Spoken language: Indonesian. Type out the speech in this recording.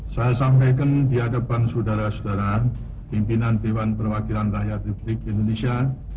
saya sampaikan di hadapan saudara saudara pimpinan dewan perwakilan rakyat republik indonesia